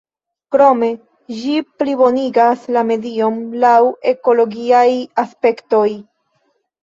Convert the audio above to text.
Krome ĝi plibonigas la medion laŭ ekologiaj aspektoj.